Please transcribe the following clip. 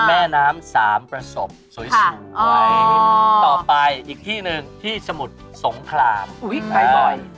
แม่น้ำสามประสบสวยต่อไปอีกที่หนึ่งที่สมุทรสงครามไปบ่อย